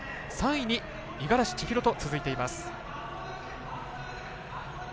３位に五十嵐千尋と続いています。